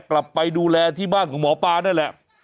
กลับไปดูแลที่บ้านของหมอปลานั่นแหละ